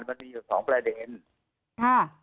มันมีอยู่สองประเด็นค่ะ